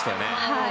はい。